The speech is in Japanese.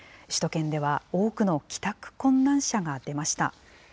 首都圏では、多くの帰宅困難者が出ました。